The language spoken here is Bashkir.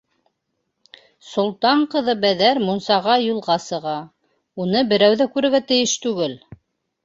Солтан ҡыҙы Бәҙәр мунсаға юлға сыға, уны берәү ҙә күрергә тейеш түгел!